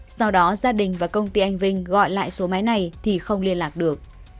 sau đó gia đình và công ty anh vinh gọi lại số máy này thì không liên lạc được